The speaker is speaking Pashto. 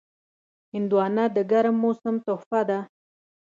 هندوانه د ګرم موسم تحفه ده.